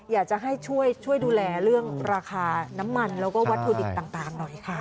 อยากจะให้ช่วยดูแลเรื่องราคาน้ำมันแล้วก็วัตถุดิบต่างหน่อยค่ะ